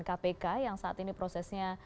kpk yang saat ini prosesnya